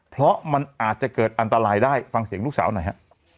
เพราะมันอาจจะเกิดอันตรายได้ฟังเสียงลูกสาวหน่อยฮะ